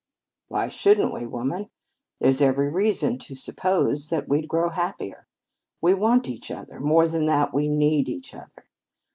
"Why shouldn't we, woman? There's every reason to suppose that we'd grow happier. We want each other. More than that, we need each other.